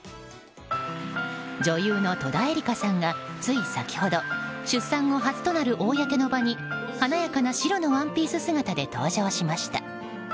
女優の戸田恵梨香さんがつい先ほど出産後初となる公の場に華やかな白のワンピース姿で登場しました。